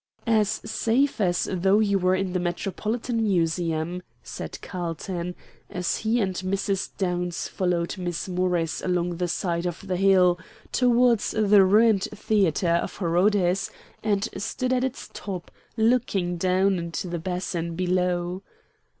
"As safe as though you were in the Metropolitan Museum," said Carlton, as he and Mrs. Downs followed Miss Morris along the side of the hill towards the ruined theatre of Herodes, and stood at its top, looking down into the basin below.